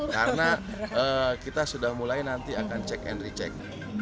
karena kita sudah mulai nanti akan cek and recheck